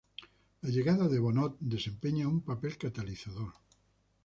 La llegada de Bonnot desempeña un papel catalizador.